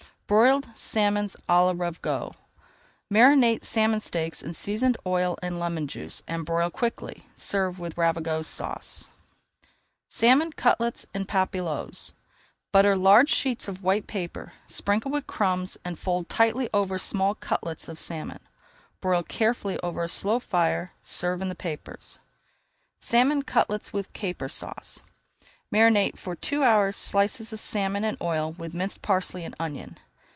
BROILED SALMON À LA RAVIGOTE Marinate salmon steaks in seasoned oil and lemon juice, and broil quickly. Serve with Ravigote Sauce. [Page 265] SALMON CUTLETS IN PAPILLOTES Butter large sheets of white paper, sprinkle with crumbs, and fold tightly over small cutlets of salmon. Broil carefully over a slow fire and serve in the papers. SALMON CUTLETS WITH CAPER SAUCE Marinate for two hours slices of salmon in oil with minced parsley and onion.